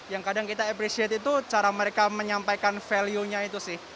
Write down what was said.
yang kadang kita appreciate itu cara mereka menyampaikan value nya itu sih